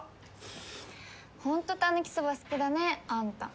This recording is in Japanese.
ホントたぬきそば好きだねあんた。